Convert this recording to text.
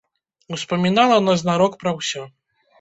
Успамінала назнарок пра ўсё.